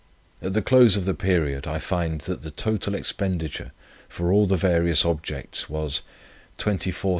At the close of the period I find, that the total expenditure for all the various objects was £24,700 16s.